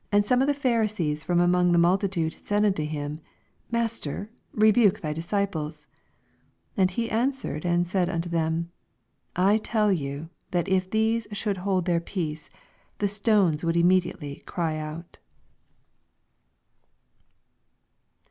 89 And some of the Pharisees from among the multitude said unto him. Master, rebuke thy disciples. 40 And he answered and said unto them, I tell you that, if these should hold their peace, the stones would immediately cry oat.